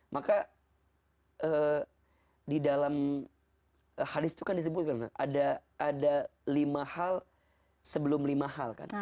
maka di dalam hadis itu kan disebutkan ada lima hal sebelum lima hal kan